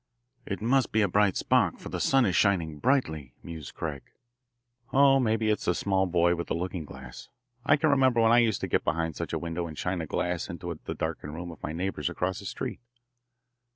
"It must be a bright spark, for the sun is shining brightly," mused Craig. "Oh, maybe it's the small boy with a looking glass. I can remember when I used to get behind such a window and shine a glass into the darkened room of my neighbours across the street."